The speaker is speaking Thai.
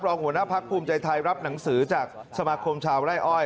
หัวหน้าพักภูมิใจไทยรับหนังสือจากสมาคมชาวไร่อ้อย